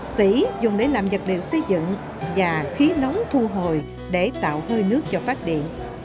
sĩ dùng để làm vật liệu xây dựng và khí nóng thu hồi để tạo hơi nước cho phát điện